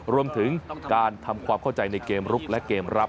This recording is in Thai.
รวมถึงการทำความเข้าใจในเกมลุกและเกมรับ